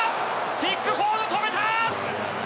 ピックフォード、止めた！